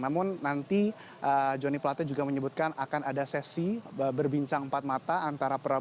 namun nanti joni plates juga menyebutkan akan ada sesi berbincang empat mata